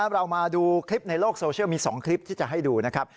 เรามาดูคลิปในโลกโซเชียลมี๒คลิปที่จะให้ดูนะครับ